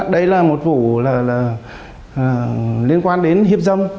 đây là một vụ liên quan đến hiếp dâm